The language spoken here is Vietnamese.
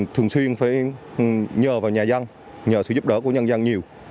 thường xuyên phải nhờ vào nhà dân nhờ sự giúp đỡ của nhân dân nhiều